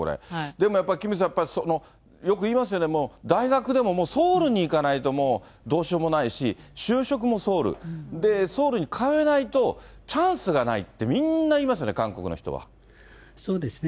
でもキムさん、やっぱり、よくいいますよね、もう、大学でもソウルに行かないと、もうどうしようもないし、就職もソウル、で、ソウルに通えないと、チャンスがないってみんな言いますよね、韓そうですね。